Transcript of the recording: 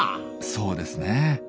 そうですね。